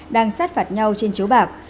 đang sát phạt nhau trên chiếu bạc